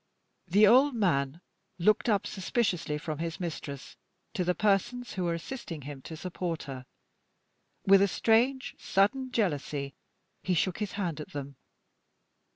The old man looked up suspiciously from his mistress to the persons who were assisting him to support her. With a strange, sudden jealousy he shook his hand at them.